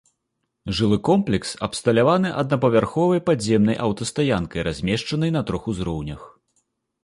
Жылы комплекс абсталяваны аднапавярховай падземнай аўтастаянкай, размешчанай на трох узроўнях.